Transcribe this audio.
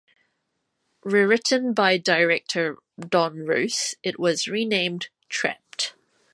Rewritten by director Don Roos, it was renamed "Trapped".